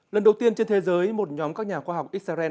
lần đầu tiên trên thế giới một nhóm các nhà khoa học israel